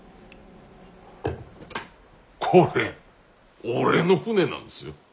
これ俺の船なんすよ。